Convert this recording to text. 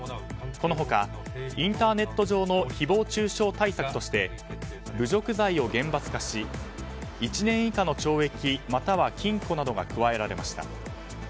この他、インターネット上の誹謗中傷対策として侮辱罪を厳罰化し１年以下の懲役、または禁錮が加えられました。